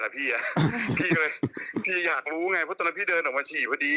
พี่อยากรู้ไงเพราะตอนนั้นพี่เดินออกมาฉี่พอดี